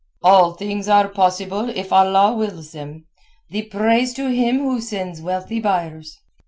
"All things are possible if Allah wills them. The praise to Him who sends wealthy buyers."